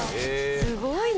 「すごいな」